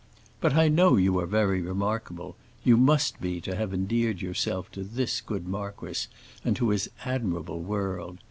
"But I know you are very remarkable. You must be, to have endeared yourself to this good marquis and to his admirable world.